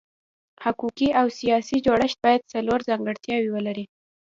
حقوقي او سیاسي جوړښت باید څلور ځانګړتیاوې ولري.